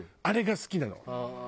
あれが好きなの。